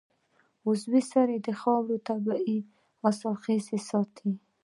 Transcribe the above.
عضوي سرې د خاورې طبعي حاصلخېزي ساتي.